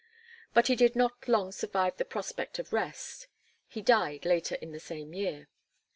But he did not long survive the prospect of rest; he died later in the same year.